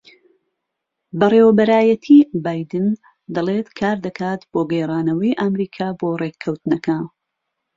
بەڕێوەبەرایەتیی بایدن دەڵێت کار دەکات بۆ گێڕانەوەی ئەمریکا بۆ ڕێککەوتنەکە